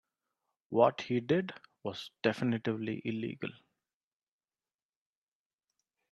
What he did was definitively illegal.